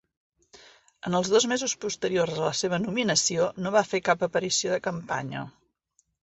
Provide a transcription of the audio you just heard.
En els dos mesos posteriors a la seva nominació, no va fer cap aparició de campanya.